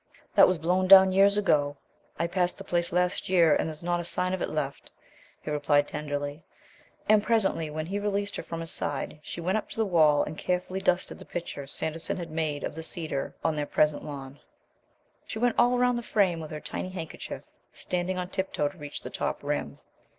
"That was blown down years ago. I passed the place last year, and there's not a sign of it left," he replied tenderly. And presently, when he released her from his side, she went up to the wall and carefully dusted the picture Sanderson had made of the cedar on their present lawn. She went all round the frame with her tiny handkerchief, standing on tiptoe to reach the top rim.